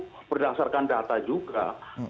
itu berdasarkan data juga